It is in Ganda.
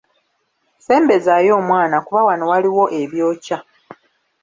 Sembezaayo omwana kuba wano waliwo ebyokya.